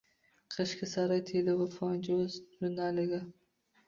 Qishki saroy telefonchisi o‘z jurnaliga: